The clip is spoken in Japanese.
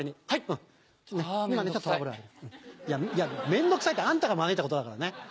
面倒くさいってあんたが招いたことだからね。